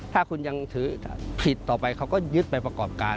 ถ้าคุณยังถือผิดต่อไปเขาก็ยึดไปประกอบการ